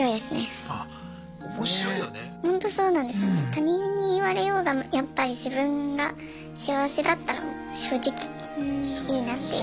他人に言われようがやっぱり自分が幸せだったら正直いいなっていう。